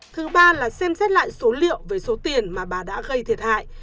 thứ ba là xem xét lại số liệu về số tiền mà bà đã gây thiệt hại